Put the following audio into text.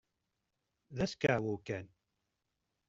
D askeɛwew kan!